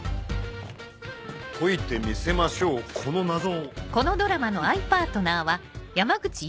解いてみせましょうこの謎を。さぁ。